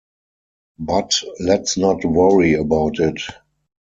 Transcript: But let's not worry about it.